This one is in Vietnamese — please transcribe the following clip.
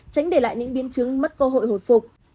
tránh để lại những biến chứng mất cơ hội hồi phục